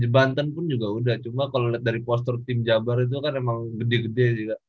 banten pun juga udah cuma kalo liat dari poster tim jabar itu kan emang gede gede gitu